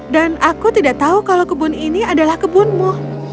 dan aku tidak tahu kalau kebun ini adalah kebunmu